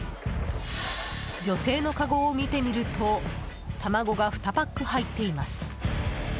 女性のかごを見てみると卵が２パック入っています。